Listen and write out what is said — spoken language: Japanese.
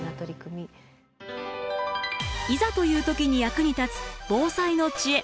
いざという時に役に立つ防災の知恵。